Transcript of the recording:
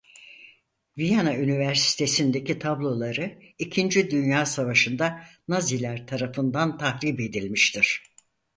Viyana Üniversitesindeki tabloları ikinci Dünya Savaşı'nda Naziler tarafından tahrip edilmiştir.